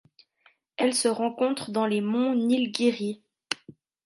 Elle se rencontre dans les monts Nîlgîri.